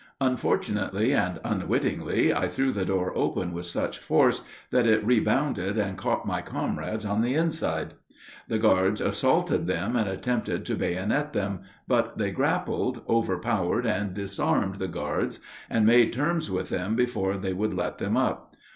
Unfortunately and unwittingly I threw the door open with such force that it rebounded and caught my comrades on the inside. The guards assaulted them and attempted to bayonet them, but they grappled, overpowered, and disarmed the guards, and made terms with them before they would let them up.